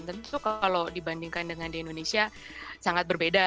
tentu kalau dibandingkan dengan di indonesia sangat berbeda